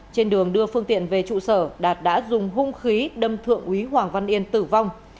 trên đường đưa phương tiện về trụ sở đạt đã dùng hung khí đâm thượng úy hoàng văn yên tử vong